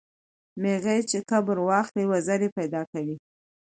ـ ميږى چې کبر واخلي وزرې پېدا کوي.